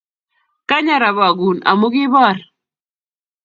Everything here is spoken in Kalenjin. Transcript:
Kaany arabakun amu kiiboor